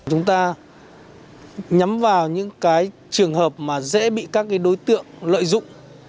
chúng ta nhắm vào những cái trường hợp mà dễ bị các cái đối tượng lợi dụng